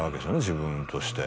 自分として。